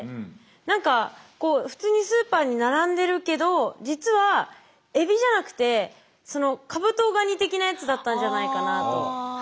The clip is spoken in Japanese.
なんか普通にスーパーに並んでるけど実はエビじゃなくてカブトガニ的なやつだったんじゃないかなと。